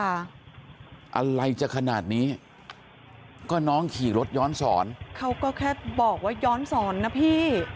อะไรจะขนาดนี้ก็น้องขี่รถย้อนสอนเขาก็แค่บอกว่าย้อนสอนนะพี่